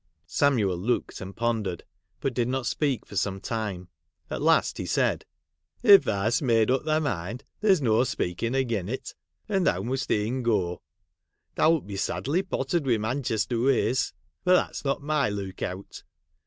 Samuel looked, and pondered, but did not speak for some time. At last he said —' If thou hast made up thy mind, there 's no speaking again it ; and thou must e'en go. Thou 'It be sadly pottered wi' Manchester ways ; but that 's not my look out.